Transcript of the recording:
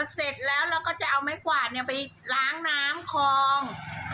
เสร็จแล้วเราก็จะเอาไม้กวาดไปล้างน้ำคลอง